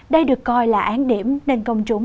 đây được coi là án điểm nên công chúng